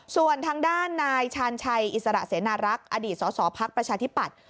ส่วนทางด้านนายชาญชัยอิสระเสนารักษ์อดีตสสพักประชาธิปัตย